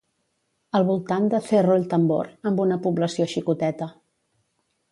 Al voltant de Cerro El Tambor amb una població xicoteta.